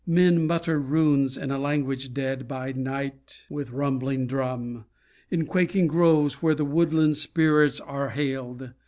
Men mutter runes in language dead, By night, with rumbling drum, In quaking groves where the woodland spirits are hailed.